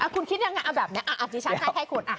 คุณคิดยังไงเอาแบบนี้ดิฉันให้คุณ